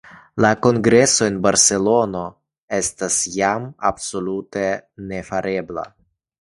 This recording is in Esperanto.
La kongreso en Barcelono estas jam absolute nefarebla.